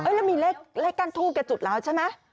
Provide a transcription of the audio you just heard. เรามีเลขกั้นทูบกันจุดแล้วใช่ไหม